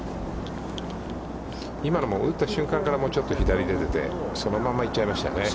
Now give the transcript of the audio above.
今のも打った瞬間からちょっと左へ出て、そのまま行っちゃいましたよね。